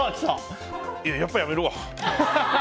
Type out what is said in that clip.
やっぱやめるわ。